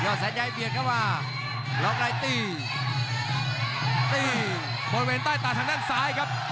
ยอดแสนใจเบียนเข้ามารอบในตีตีบนเว้นใต้ตาทางด้านซ้ายครับ